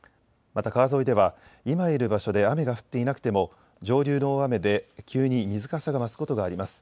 また川沿いでは今いる場所で雨が降っていなくても上流の大雨で急に水かさが増すことがあります。